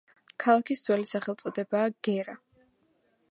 ქალაქის ძველი სახელწოდებაა „გერა“.